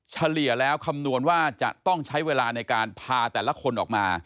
เฉลี่ยแล้วคำนวณว่าจะต้องใช้เวลาในการพาแต่ละคนออกมา